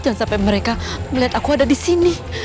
jangan sampai mereka melihat aku ada di sini